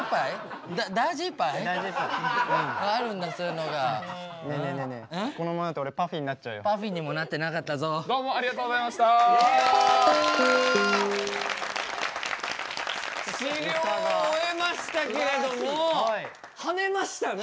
治療終えましたけれどもはねましたね！